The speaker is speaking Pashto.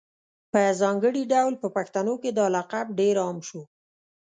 په ځانګړي ډول په پښتنو کي دا لقب ډېر عام شو